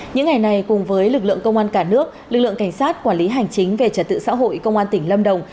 những ngày này cùng với lực lượng công an cả nước lực lượng cảnh sát quản lý hành chính về trật tự xã hội công an tỉnh lâm đồng